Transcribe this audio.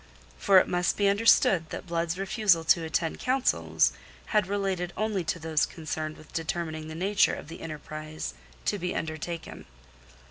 For it must be understood that Blood's refusal to attend councils had related only to those concerned with determining the nature of the enterprise to be undertaken.